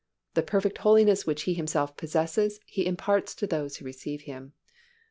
The perfect holiness which He Himself possesses He imparts to those who receive Him (cf.